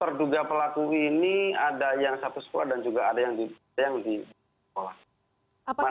terduga pelaku ini ada yang satu sekolah dan juga ada yang di sekolah